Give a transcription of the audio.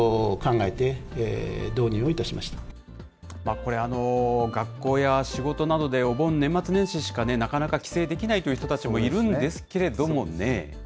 これ、学校や仕事などでお盆・年末年始しかなかなか帰省できないという人たちもいるんですけれどもね。